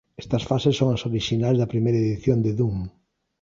Estas fases son as orixinais da primeira edición de "Doom".